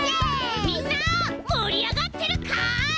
みんなもりあがってるかい？